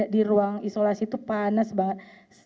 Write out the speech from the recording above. di ruang isolasi itu panas banget